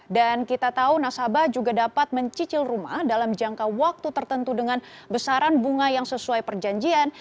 dan kita tahu nasabah juga dapat mencicil rumah dalam jangka waktu tertentu dengan besaran bunga yang sesuai perjanjian